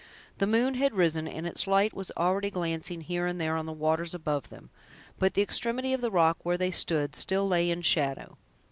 The moon had risen, and its light was already glancing here and there on the waters above them; but the extremity of the rock where they stood still lay in shadow.